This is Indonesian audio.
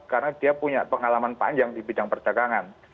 karena dia punya pengalaman panjang di bidang perdagangan